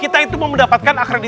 kita itu mendapatkan akreditasi